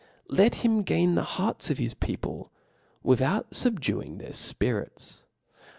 Let him gain tbe hearts of his people, without fubduing their )fpirit€.